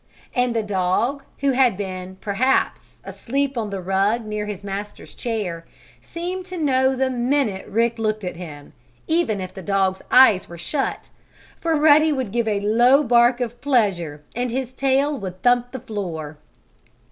And the dog, who had been, perhaps, asleep on the rug near his master's chair, seemed to know the minute Rick looked at him, even if the dog's eyes were shut, for Ruddy would give a low bark of pleasure and his tail would thump the floor.